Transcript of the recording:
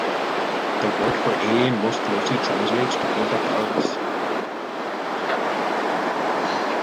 Their word for "alien" most closely translates to "food that talks".